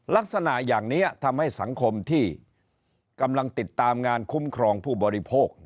ลักษณะอย่างนี้ทำให้สังคมที่กำลังติดตามงานคุ้มครองผู้บริโภค